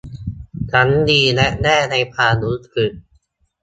ทั้งดีและแย่ในความรู้สึก